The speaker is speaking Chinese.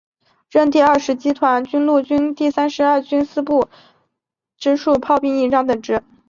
任第二十集团军陆军第三十二军司令部直属炮兵营营长等职。